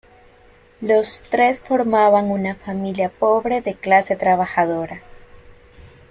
Los tres formaban una familia pobre de clase trabajadora.